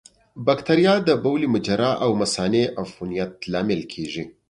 بکتریا د بولي مجرا او مثانې عفونت لامل کېږي.